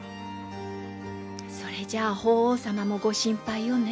それじゃあ法皇様もご心配よね。